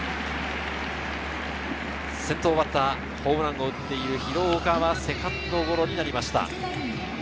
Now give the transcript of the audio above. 先頭バッター、ホームランを打っている廣岡は、セカンドゴロになりました。